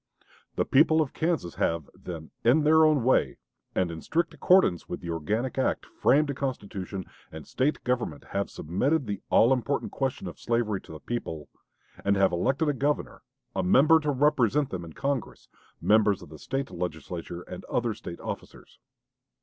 "The people of Kansas have, then, 'in their own way,' and in strict accordance with the organic act, framed a constitution and State government, have submitted the all important question of slavery to the people, and have elected a governor, a member to represent them in Congress, members of the State Legislature, and other State officers.